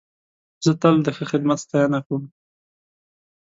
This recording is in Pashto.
زه تل د ښه خدمت ستاینه کوم.